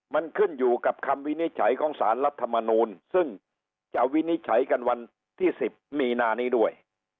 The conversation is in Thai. มันขึ้นอยู่กับคำวินิจฉัยของสารรัฐมนูลซึ่งจะวินิจฉัยกันวันที่๑๐มีนานี้ด้วย